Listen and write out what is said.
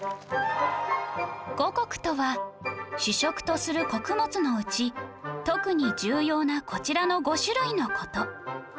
五穀とは主食とする穀物のうち特に重要なこちらの５種類の事